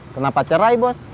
kenapa cerai bos